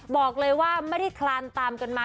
บอกเลยว่าไม่ได้คลานตามกันมา